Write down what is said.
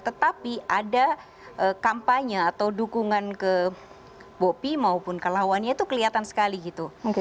tetapi ada kampanye atau dukungan ke bopi maupun ke lawannya itu kelihatan sekali gitu